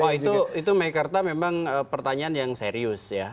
wah itu meikarta memang pertanyaan yang serius ya